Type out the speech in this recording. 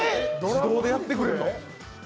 自動でやってくれるの。